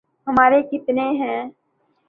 ہمارے کتنے ہیں۔